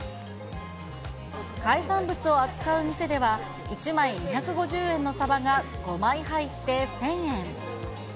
海産物を扱う店では、１枚２５０円のサバが５枚入って１０００円。